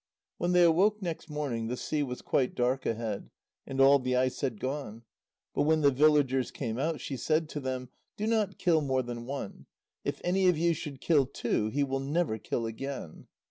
When they awoke next morning, the sea was quite dark ahead, and all the ice had gone. But when the villagers came out, she said to them: "Do not kill more than one; if any of you should kill two, he will never kill again."